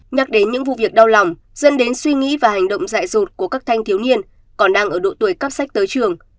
nhắc đến những vụ việc đau lòng dân đến suy nghĩ và hành động dạy rụt của các thanh thiếu niên còn đang ở độ tuổi cắp sách tới trường